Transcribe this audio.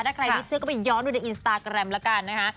ถ้าใครพี่เจอก็ไปย้อนดูในอินสตราแกรมละกันนะฮะ